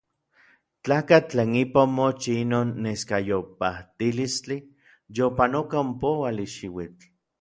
Tlakatl tlen ipa omochij inon neskayopajtilistli yopanoka ompouali xiuitl.